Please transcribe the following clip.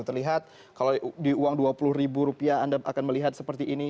terlihat kalau di uang rp dua puluh anda akan melihat seperti ini